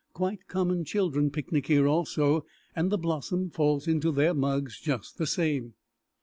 Quite common children picnic here also, and the blossom falls into their mugs just the same.